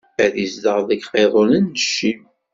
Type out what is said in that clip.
Ad izdeɣ deg iqiḍunen n Cim!